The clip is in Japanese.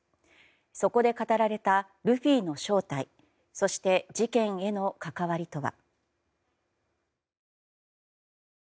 そこで語られたルフィの正体そして、事件への関わりとは。